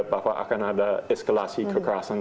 bahwa akan ada eskalasi kekerasan